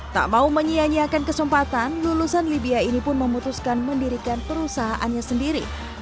tak mau menyianyiakan kesempatan lulusan libya ini pun memutuskan mendirikan perusahaannya sendiri